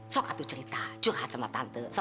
kok kamu cerita curhat sama aku